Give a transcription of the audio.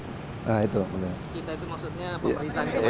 kita itu maksudnya pemerintah